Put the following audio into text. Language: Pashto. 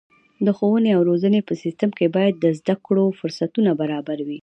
د ښوونې او روزنې په سیستم کې باید د زده کړو فرصتونه برابره وي.